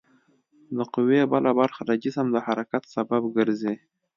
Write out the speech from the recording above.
د قوې بله برخه د جسم د حرکت سبب ګرځي.